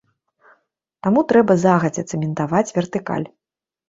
Таму трэба загадзя цэментаваць вертыкаль.